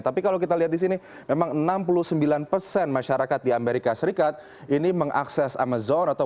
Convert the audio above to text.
tapi kalau kita lihat di sini memang enam puluh sembilan persen masyarakat di amerika serikat ini mengakses amazon